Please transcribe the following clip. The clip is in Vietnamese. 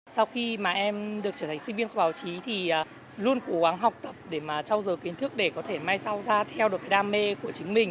sau khi mà em được trở thành sinh viên khoa báo chí thì luôn cố gắng học tập để mà trao dồi kiến thức để có thể mai sau ra theo được đam mê của chính mình